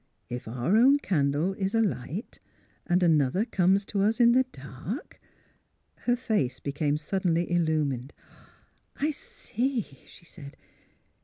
'' If our own candle is alight, and another comes to us in the dark " Her face became suddenly illumined. '' I see," she said.